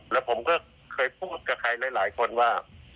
แล้วผมก็เคยพูดกับใครหลายคนว่า